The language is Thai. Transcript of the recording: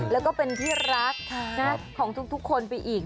แล้วก็เป็นที่รักของทุกคนไปอีก